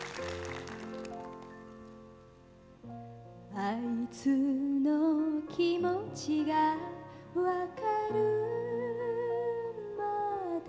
「あいつの気持がわかるまで」